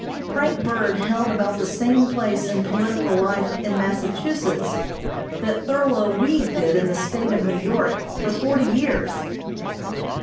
Frank Bird held about the same place in political life in Massachusetts, that Thurlow Weed did in the State of New York for forty years.